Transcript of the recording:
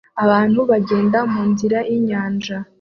Abantu bagenda munzira yinyanja